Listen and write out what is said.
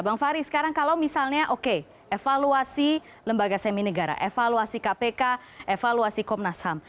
bang fary sekarang kalau misalnya oke evaluasi lembaga seminegara evaluasi kpk evaluasi komnas ham